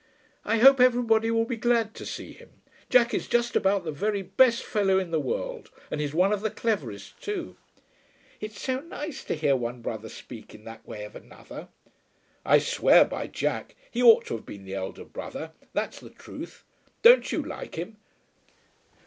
"I hope everybody will be glad to see him. Jack is just about the very best fellow in the world; and he's one of the cleverest too." "It is so nice to hear one brother speak in that way of another." "I swear by Jack. He ought to have been the elder brother; that's the truth. Don't you like him?"